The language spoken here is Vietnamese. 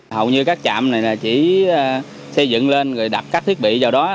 hầu như các trạm này chỉ xây dựng lên rồi đặt các thiết bị vào đó